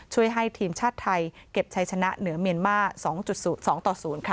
ช่วยให้ทีมชาติไทยเก็บชัยชนะเหนือเมียนมา๒ต่อ๐